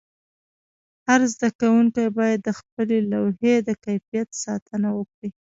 هر زده کوونکی باید د خپلې لوحې د کیفیت ساتنه وکړي.